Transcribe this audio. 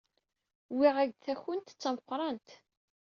Wwiɣ-ak-d takunt-d tameqrant.